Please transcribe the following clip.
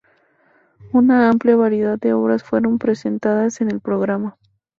Una amplia variedad de obras fueron presentadas en el programa.